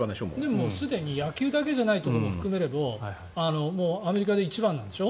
でも、すでに野球だけじゃないところまで含めればアメリカで一番なんでしょ。